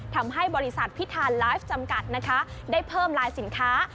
ทำให้บริษัทพิธานไลฟ์จำกัดนะคะได้เพิ่มลายสินค้า